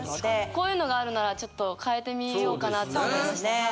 こういうのがあるならちょっと変えてみようかなと思いました。